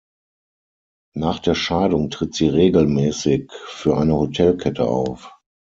Nach der Scheidung tritt sie regelmäßig für eine Hotelkette auf.